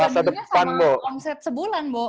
pasti dibandingin sama uang set sebulan bo